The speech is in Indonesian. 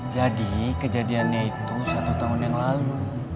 jadi kejadiannya itu satu tahun yang lalu